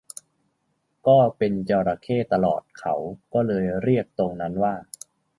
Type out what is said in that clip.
ก็เป็นจระเข้ตลอดเขาก็เลยเรียกตรงนั้นว่า